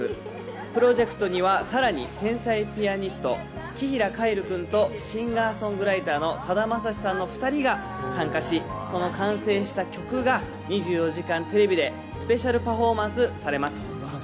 プロジェクトにはさらに天才ピアニスト・紀平凱成君とシンガーソングライターのさだまさしさんの２人が参加し、その完成した曲が『２４時間テレビ』でスペシャルパフォーマンスされます。